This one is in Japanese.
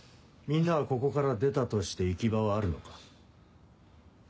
みんなはここから出たとして行き場はあるのか？